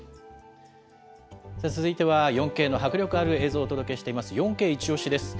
続いては４Ｋの迫力ある映像をお届けしています、４Ｋイチオシです。